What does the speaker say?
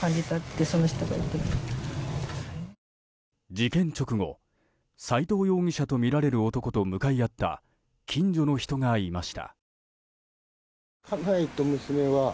事件直後斎藤容疑者とみられる男と向かい合った近所の人がいました。